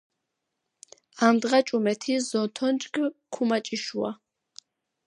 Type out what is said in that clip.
ამდღა-ჭუმეთი ზოთონჯქ ქუმაჭიშუა.